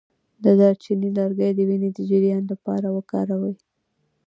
د دارچینی لرګی د وینې د جریان لپاره وکاروئ